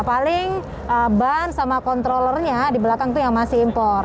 paling ban sama kontrollernya di belakang itu yang masih impor